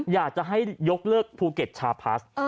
อยากจะให้ยกเลิกภูเก็ตชาพลัส